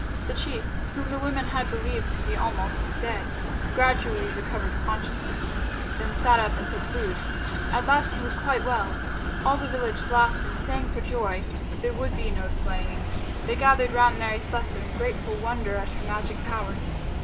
The chief, whom the women had believed to be almost dead, gradually recovered consciousness, then sat up and took food. At last he was quite well. All the village laughed and sang for joy. There would be no slaying. They gathered round Mary Slessor in grateful wonder at her magic powers.